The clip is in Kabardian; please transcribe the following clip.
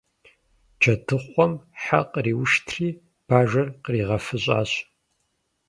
Джэдыхъуэм хьэ къриуштри Бажэр къригъэфыщӀащ.